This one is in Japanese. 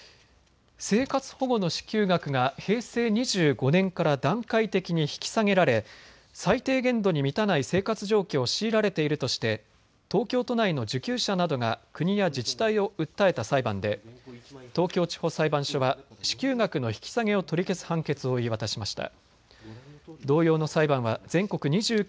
生活保護の支給額が平成２５年から段階的に引き下げられ最低限度に満たない生活状況を強いられているとして東京都内の受給者などが国や自治体を訴えた裁判で東京地方裁判所は支給額の引き下げを取り消す判決を言い渡しました。